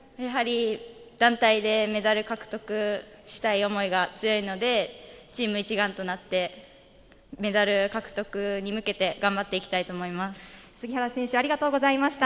団体でメダル獲得をしたい思いが強いので、チーム一丸となってメダル獲得に向けて頑張っていきたいと思います。